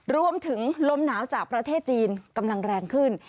รวมถึงลมหนาวจากประเทศจีนกำลังแรงขึ้น